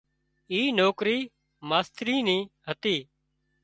اي نوڪرِي ماسترِي نِي هتي